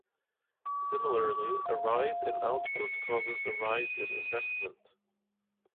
Similarly, a rise in output causes a rise in investment.